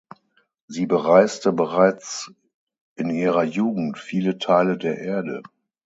Sie bereiste bereits in ihrer Jugend viele Teile der Erde.